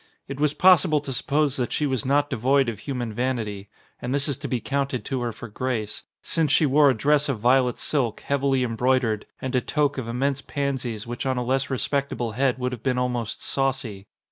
It was possible to suppose that she was not devoid of human vanity (and this is to be counted to her for grace) since she wore a dress of violet silk, heavily embroidered, and a toque of immense pansies which on a less respectable head would have been almost saucy.